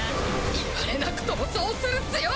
言われなくともそうするっすよ！